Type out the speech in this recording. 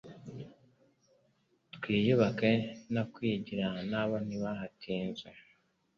Twiyubake na Kwigira nabo ntibahatanzwe